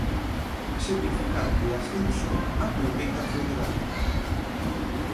Semifinal de ascenso á Primeira Federación.